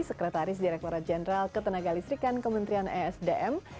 sekretaris direkturat jenderal ketenaga listrikan kementerian esdm